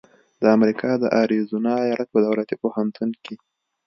د امریکا د اریزونا ایالت په دولتي پوهنتون کې